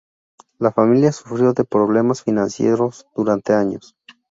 La familia sufrió de problemas financieros durante años.